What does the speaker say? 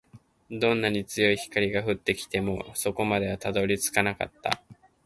どんなに強い光が降ってきても、底までたどり着かなかった